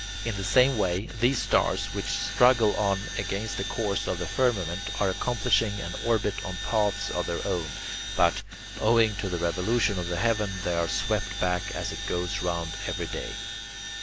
In the same way, these stars, which struggle on against the course of the firmament, are accomplishing an orbit on paths of their own; but, owing to the revolution of the heaven, they are swept back as it goes round every day.